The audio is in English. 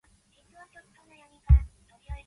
He is current speaker of Meghalaya Legislative Assembly.